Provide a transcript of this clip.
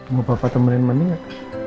mau papa temenin mandi gak